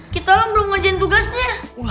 kita belum ngerjain tugasnya